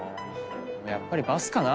やっぱりバスかな？